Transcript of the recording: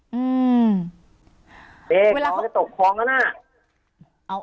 เฮ้ตกคล้องแล้วนะ